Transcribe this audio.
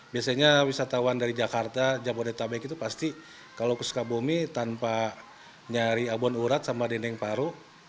biasanya wisatawan dari jakarta jabodetabek itu pasti kalau ke sukabumi tanpa nyari abon urat sama dendeng paru